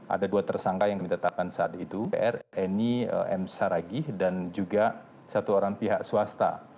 ada dua tersangka yang ditetapkan saat itu r eni m saragih dan juga satu orang pihak swasta